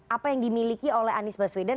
apa yang dimiliki oleh anies baswedan